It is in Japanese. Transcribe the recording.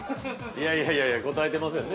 ◆いやいやいや、答えてますやんね。